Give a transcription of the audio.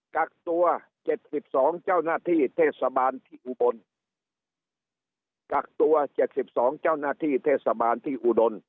กักตัว๗๒เจ้าหน้าที่เทศบาลที่อุบลกักตัว๗๒เจ้าหน้าที่เทศบาลที่อุดล